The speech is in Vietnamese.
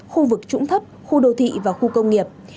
khu vực trũng thấp khu đô thị và khu công nghiệp